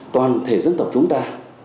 toàn thể dân tộc chúng ta